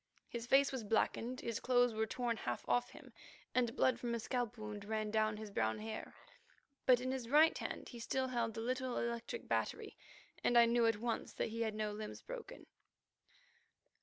His face was blackened, his clothes were torn half off him, and blood from a scalp wound ran down his brown hair. But in his right hand he still held the little electric battery, and I knew at once that he had no limbs broken.